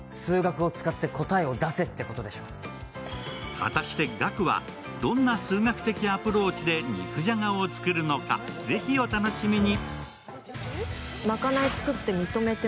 果たして、岳はどんな数学的アプローチで肉じゃがを作るのか、ぜひお楽しみに。